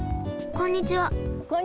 こんにちは！